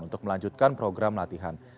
untuk melanjutkan program latihan